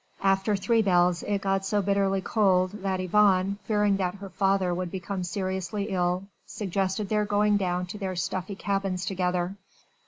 After three bells it got so bitterly cold that Yvonne, fearing that her father would become seriously ill, suggested their going down to their stuffy cabins together.